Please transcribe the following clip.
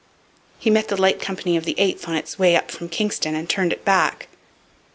He met the light company of the 8th on its way up from Kingston and turned it back.